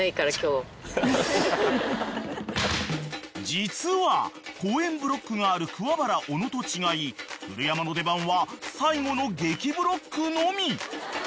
［実は講演ブロックがある桑原小野と違い古山の出番は最後の劇ブロックのみ］